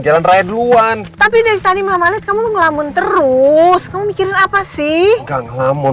jalan raya duluan tapi dari tadi mama lihat kamu ngelamun terus kamu mikirin apa sih nggak ngelamun